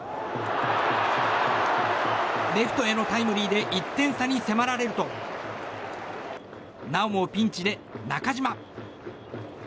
レフトへのタイムリーで１点差に迫られるとなおもピンチで中嶋。